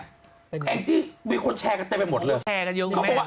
แอ้งที่วิคลแชร์กันได้ไปหมดเลย